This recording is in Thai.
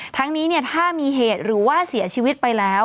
ทั้งนี้ถ้ามีเหตุหรือว่าเสียชีวิตไปแล้ว